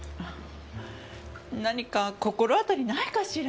何か心当たりないかしら？